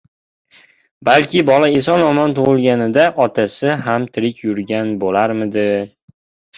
Balki, bola eson-omon tug`ilganida otasi ham tirik yurgan bo`larmidi